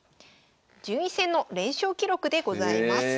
順位戦の連勝記録でございます。